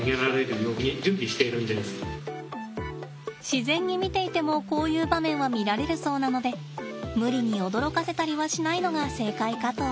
自然に見ていてもこういう場面は見られるそうなので無理に驚かせたりはしないのが正解かと。